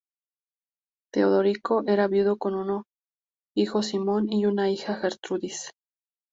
Teodorico era viudo con un hijo Simón, y una hija Gertrudis.